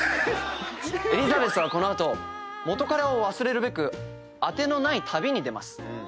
エリザベスはこの後元カレを忘れるべく当てのない旅に出ます。